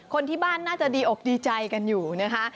คนที่บ้านน่าจะดีอกดีใจกันอยู่นะคะ